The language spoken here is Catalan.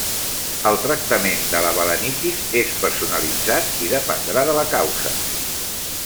El tractament de la balanitis és personalitzat i dependrà de la causa.